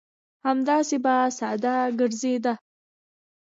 همداسې به ساده ګرځېده.